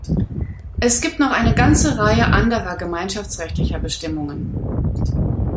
Es gibt noch eine ganze Reihe anderer gemeinschaftsrechtlicher Bestimmungen.